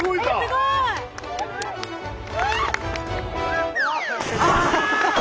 すごい！あ。